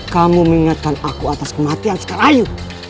kamu mengingatkan aku atas kematian sekarang